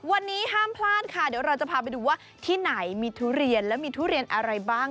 วันนี้ห้ามพลาดค่ะเดี๋ยวเราจะพาไปดูว่าที่ไหนมีทุเรียนและมีทุเรียนอะไรบ้าง